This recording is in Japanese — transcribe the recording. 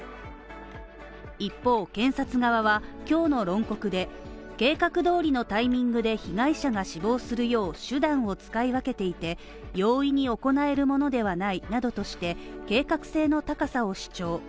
一方、検察側は、今日の論告で、計画通りのタイミングで被害者が死亡するよう手段を使い分けていて、容易に行えるものではないなどとして、計画性の高さを主張。